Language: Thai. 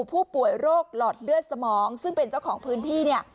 ผู้ป่วยโรคหลอดเลือดสมองซึ่งเป็นเจ้าของพื้นที่เนี่ย